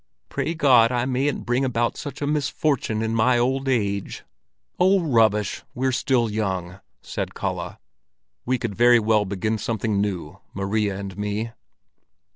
"Pray God I mayn't bring about such a misfortune in my old age!" "Oh, rubbish! We're still young," said Kalle. "We could very well begin something new, Maria and me."